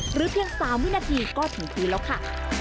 หรือเพียง๓วินาทีก็ถึงทีแล้วค่ะ